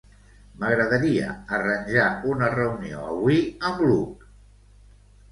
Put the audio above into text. M'agradaria arranjar una reunió avui amb l'Hug.